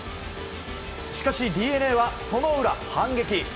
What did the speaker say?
しかしＤｅＮＡはその裏、反撃。